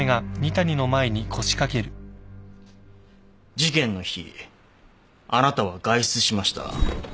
事件の日あなたは外出しました。